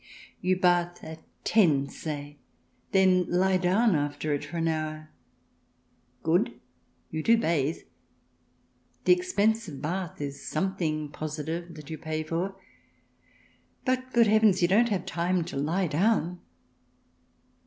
Your bath at ten, say ; then lie down after it for an hour. Good ! You do bathe ; the expensive bath is something positive that you pay for. But, good heavens ! you don't have time to lie down.